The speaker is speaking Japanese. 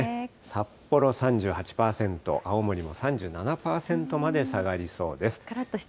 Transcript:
札幌３８％、青森も３７％まで下がりそうです。